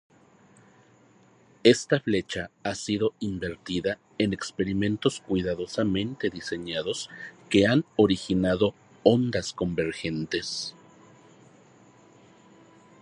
Esta flecha ha sido invertida en experimentos cuidadosamente diseñados que han originado ondas convergentes.